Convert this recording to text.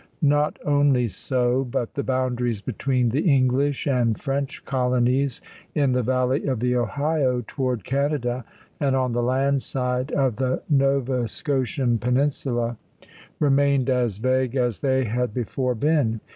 Not only so, but the boundaries between the English and French colonies in the valley of the Ohio, toward Canada, and on the land side of the Nova Scotian peninsula, remained as vague as they had before been.